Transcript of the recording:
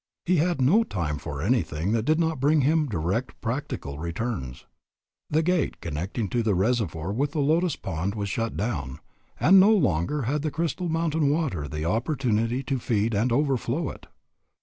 He had no time for anything that did not bring him direct "practical" returns. The gate connecting the reservoir with the lotus pond was shut down, and no longer had the crystal mountain water the opportunity to feed and overflow it.